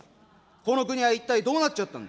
この国は一体どうなっちゃったんだ。